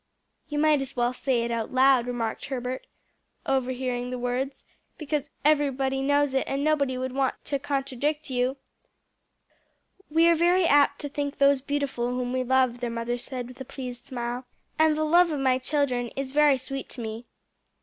"You might as well say it out loud," remarked Herbert, overhearing the words, "because everybody knows it and nobody would want to contradict you." "We are very apt to think those beautiful whom we love," their mother said with a pleased smile, "and the love of my children is very sweet to me."